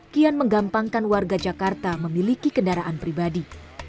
kian menggampangkan warga jakarta memiliki kendaraan pribadi